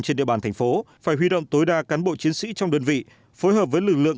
trên địa bàn thành phố phải huy động tối đa cán bộ chiến sĩ trong đơn vị phối hợp với lực lượng